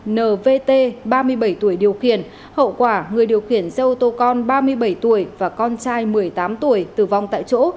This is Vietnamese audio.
người điều khiển hậu quả người điều khiển xe ô tô con ba mươi bảy tuổi và con trai một mươi tám tuổi tử vong tại chỗ